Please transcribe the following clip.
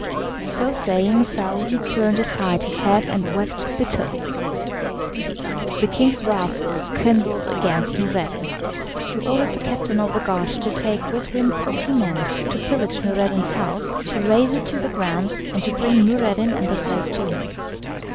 So saying Saouy turned aside his head and wept bitterly. The king's wrath was kindled against Noureddin. He ordered the captain of the guard to take with him forty men, to pillage Noureddin's house, to rase it to the ground, and to bring Noureddin and the slave to him.